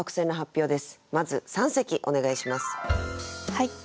はい。